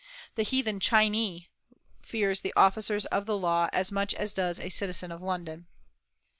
The "heathen Chinee" fears the officers of the law as much as does a citizen of London.